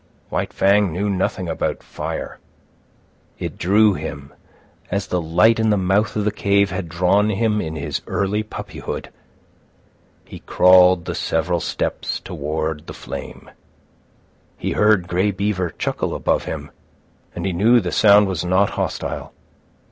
White Fang knew nothing about fire. It drew him as the light, in the mouth of the cave had drawn him in his early puppyhood. He crawled the several steps toward the flame. He heard Grey Beaver chuckle above him, and he knew the sound was not hostile.